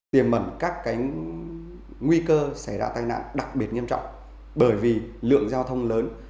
tiềm ẩn các nguy cơ xảy ra tai nạn đặc biệt nghiêm trọng bởi vì lượng giao thông lớn